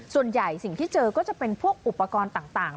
ส่วนใหญ่สิ่งที่เจอก็จะเป็นพวกอุปกรณ์ต่าง